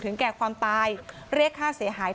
แก่ความตายเรียกค่าเสียหาย